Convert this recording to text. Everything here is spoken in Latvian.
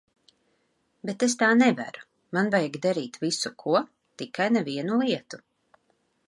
Bet es tā nevaru, man vajag darīt visu ko, tikai ne vienu lietu.